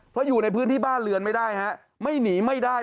เพราะอยู่ในพื้นที่บ้านเรือนไม่ได้ฮะไม่หนีไม่ได้